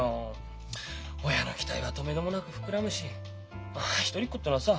親の期待はとめどもなく膨らむし一人っ子ってのはさ